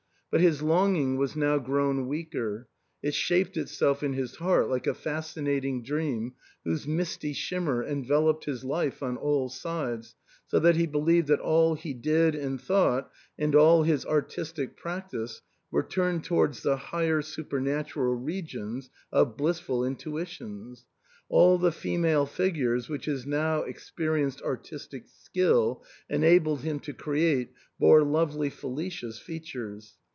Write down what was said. But his longing was now grown weaker ; it shaped itself in his heart like a fascinating dream, whose misty shimmer enveloped his life on all sides, so that he believed that all he did and thought, and all his artistic practice, were turned towards the higher supernatural regions of blissful intuitions. All the female figures which his now experienced artistic skill enabled him to create bore lovely Felicia's features.